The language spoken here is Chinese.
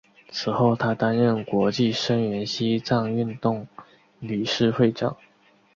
此后他担任国际声援西藏运动理事会长。